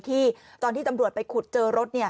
ที่ตำรวจไปขุดเจอรถ